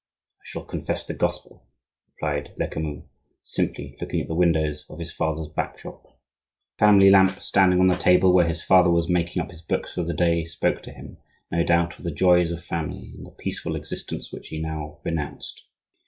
"I shall confess the gospel," replied Lecamus, simply, looking at the windows of his father's back shop. The family lamp, standing on the table where his father was making up his books for the day, spoke to him, no doubt, of the joys of family and the peaceful existence which he now renounced.